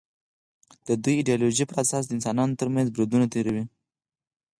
دوی د ایدیالوژۍ پر اساس د انسانانو تر منځ بریدونه تېروي